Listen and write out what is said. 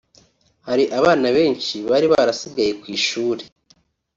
hari abana benshi bari barasigaye ku ishuli